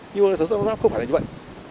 nhưng mà sản xuất lắp ráp không phải là như vậy